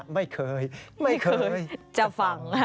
ไม่เคยไม่เคยจะฟัง